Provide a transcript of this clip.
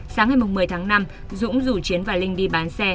sáng ngày một mươi tháng năm dũng rủ chiến và linh đi bán xe